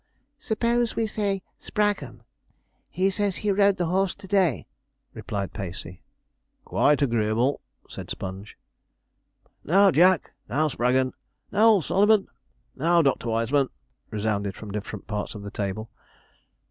'Suppose we say Spraggon? he says he rode the horse to day,' replied Pacey. 'Quite agreeable,' said Sponge. 'Now, Jack!' 'Now, Spraggon!' 'Now, old Solomon!' 'Now, Doctor Wiseman,' resounded from different parts of the table.